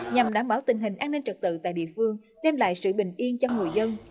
nhằm đảm bảo tình hình an ninh trật tự tại địa phương đem lại sự bình yên cho người dân